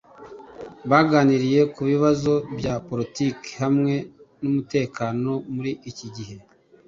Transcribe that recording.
baganiriye ku bibazo bya politike hamwe n’umutekano muri iki gihe